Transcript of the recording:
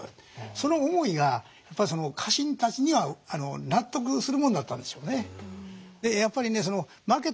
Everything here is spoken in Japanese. その思いがやっぱり家臣たちには納得するものだったんでしょうね。